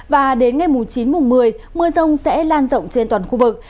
và đến ngày chín mùng một mươi mưa rông sẽ lan rộng trên toàn khu vực